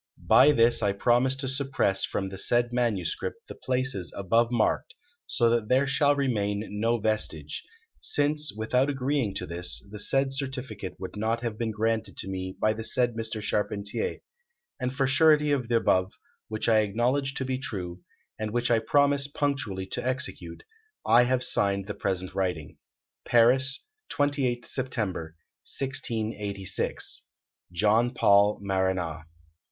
By this I promise to suppress from the said manuscript the places above marked, so that there shall remain no vestige; since, without agreeing to this, the said certificate would not have been granted to me by the said Mr. Charpentier; and for surety of the above, which I acknowledge to be true, and which I promise punctually to execute, I have signed the present writing. Paris, 28th September, 1686. "JOHN PAUL MARANA."